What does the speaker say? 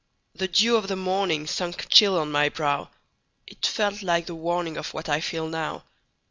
The dew of the morningSunk chill on my brow; It felt like the warningOf what I feel now.